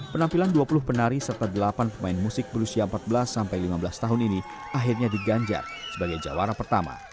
penampilan dua puluh penari serta delapan pemain musik berusia empat belas sampai lima belas tahun ini akhirnya diganjar sebagai jawara pertama